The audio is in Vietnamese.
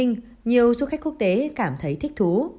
nhiều du khách quốc tế cảm thấy thích thú